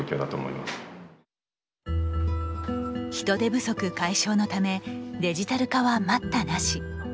人手不足解消のためデジタル化は待ったなし。